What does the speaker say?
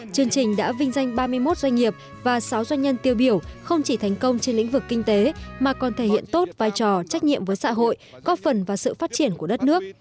chương trình đã vinh danh ba mươi một doanh nghiệp và sáu doanh nhân tiêu biểu không chỉ thành công trên lĩnh vực kinh tế mà còn thể hiện tốt vai trò trách nhiệm với xã hội góp phần vào sự phát triển của đất nước